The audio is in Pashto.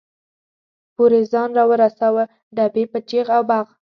پورې ځان را ورساوه، ډبې په چغ او بغ.